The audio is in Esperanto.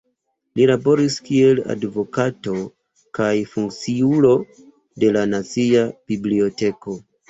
Li laboris kiel advokato kaj funkciulo de la Nacia Biblioteko.